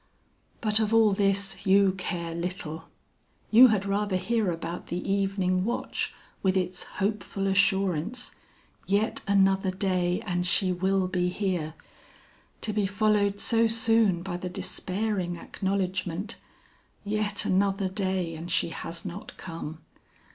"But of all this you care little. "You had rather hear about the evening watch with its hopeful assurance, 'Yet another day and she will be here,' to be followed so soon by the despairing acknowledgement, 'Yet another day and she has not come!'